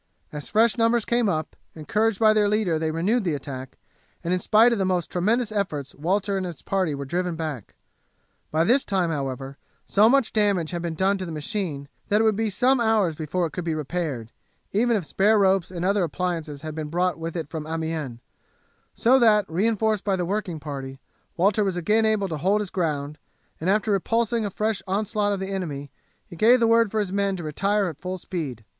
As fresh numbers came up, encouraged by their leader they renewed the attack, and in spite of the most tremendous efforts Walter and his party were driven back. By this time, however, so much damage had been done to the machine that it would be some hours before it could be repaired, even if spare ropes and other appliances had been brought with it from Amiens; so that, reinforced by the working party, Walter was again able to hold his ground and after repulsing a fresh onslaught of the enemy he gave the word for his men to retire at full speed.